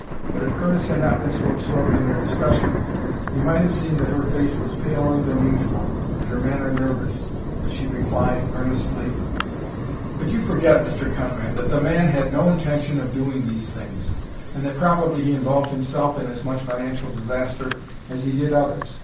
But if Curtis had not been so absorbed in their discussion he might have seen that her face was paler than usual and her manner nervous, as she replied earnestly: "But you forget, Mr. Conrad, that the man had no intention of doing these things, and that probably he involved himself in as much financial disaster as he did others.